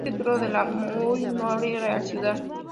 Ostenta el título de La Muy Noble y Leal Ciudad.